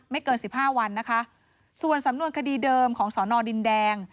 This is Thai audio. เกินสิบห้าวันนะคะส่วนสำนวนคดีเดิมของสอนอดินแดง